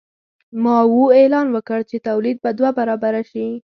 ماوو اعلان وکړ چې تولید به دوه برابره شي.